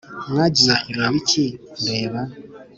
mwagiye kureba iki Kureba